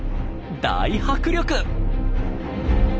大迫力！